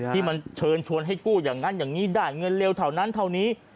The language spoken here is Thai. ที่มันเชิญชวนให้กู้อย่างนั้นอย่างนี้ได้เงินเร็วเท่านั้นเท่านี้